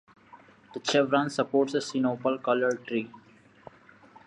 The chevron supports a sinople coloured tree.